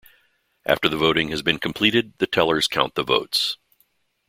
After the voting has been completed the tellers count the votes.